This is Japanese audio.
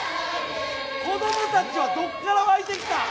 子どもたちはどこから湧いてきたん？